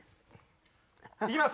行きます